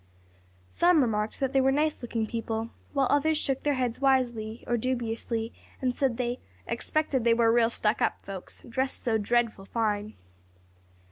Some remarked that they were nice looking people; while others shook their heads wisely, or dubiously, and said they "expected they were real stuck up folks; dressed so dreadful fine."